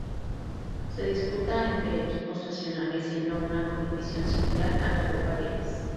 Se disputa entre equipos nacionales, siendo una competición similar a la Copa Davis.